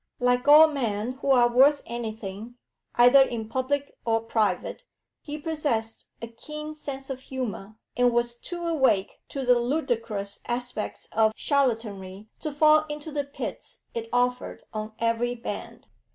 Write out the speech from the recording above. Like all men who are worth anything, either in public or private, he possessed a keen sense of humour, and was too awake to the ludicrous aspects of charlatanry to fall into the pits it offered on every band.